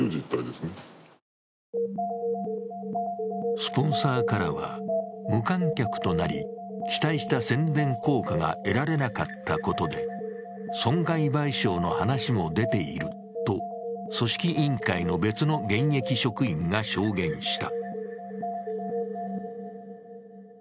スポンサーからは、無観客となり期待した宣伝効果が得られなかったことで損害賠償の話も出ていると組織委員会の別の現役職員が証言した。